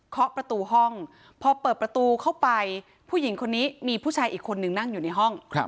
ประตูห้องพอเปิดประตูเข้าไปผู้หญิงคนนี้มีผู้ชายอีกคนนึงนั่งอยู่ในห้อง